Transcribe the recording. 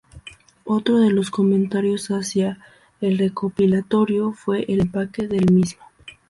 Otro de los comentarios hacia el recopilatorio fue el empaque del mismo.